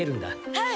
はい。